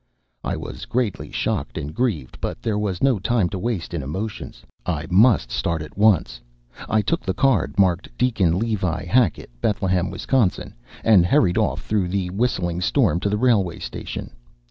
I was greatly shocked and grieved, but there was no time to waste in emotions; I must start at once. I took the card, marked "Deacon Levi Hackett, Bethlehem, Wisconsin," and hurried off through the whistling storm to the railway station.